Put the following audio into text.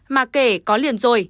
mà kể có liền rồi